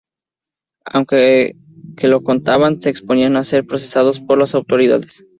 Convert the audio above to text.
Aquellos que lo cantaban se exponían a ser procesados por las autoridades.